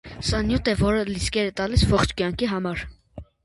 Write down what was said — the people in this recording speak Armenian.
Սա նյութ է, որը լիցքեր է տալիս ողջ կյանքի համար։